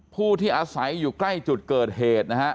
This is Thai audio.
ผู้ที่อาศัยอยู่ใกล้จุดเกิดเหตุนะฮะ